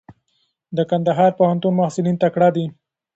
د کندهار پوهنتون محصلین تکړه دي.